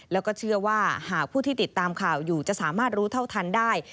แล้วก็เชื่อว่าหากผู้ที่ติดตามข่าวอยู่จะสามารถรู้เท่าทันได้